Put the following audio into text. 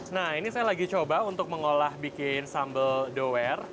nah ini saya lagi coba untuk mengolah bikin sambal dower